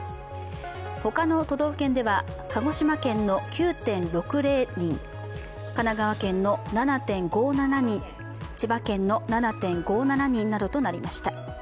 他の都道府県では鹿児島県の９．６０人、神奈川県の７．５７人、千葉県の７．５７人などとなりました。